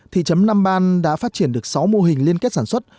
thì chấm năm ban đã phát triển được sáu mô hình liên kết sản xuất